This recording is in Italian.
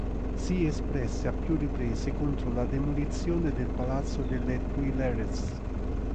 Si espresse a più riprese contro la demolizione del Palazzo delle Tuileries.